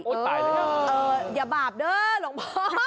โอ้ยตายแล้วนะเอออย่าบาปเด็ดหลวงพ่อ